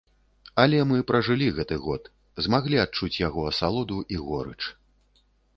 Але мы пражылі гэты год, змаглі адчуць яго асалоду і горыч.